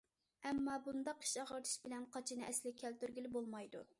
ئەمما بۇنداق ئىچ ئاغرىتىش بىلەن قاچىنى ئەسلىگە كەلتۈرگىلى بولمايدۇ.